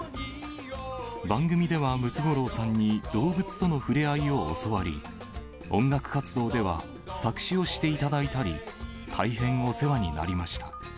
番組ではムツゴロウさんに、動物との触れ合いを教わり、音楽活動では、作詞をしていただいたり、大変お世話になりました。